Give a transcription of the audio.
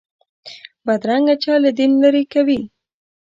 بدرنګه چل له دین لرې کوي